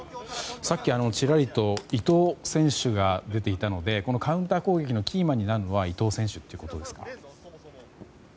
さっき、ちらりと伊東選手が出ていたので、カウンター攻撃のキーマンになるのは伊東選手ということですか。